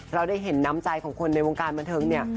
เราได้เห็นน้ำใจของคนในวงการบันเทิงเนี่ย